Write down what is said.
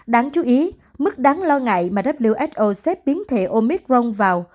đáng chú ý mức đáng lo ngại mà who xếp biến thể omicron vào